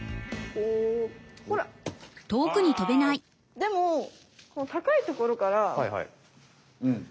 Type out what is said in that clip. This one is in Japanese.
でもこの高いところから。